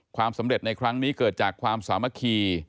ความสำเร็จในครั้งนี้เกิดจากความสามัคคี